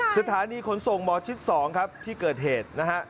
สถานีขนส่งหมอชิด๒ครับที่เกิดเหตุนะฮะ